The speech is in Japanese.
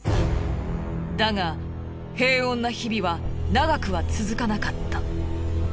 だが平穏な日々は長くは続かなかった。